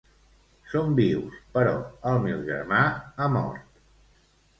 Som vius, però el meu germà ha mort.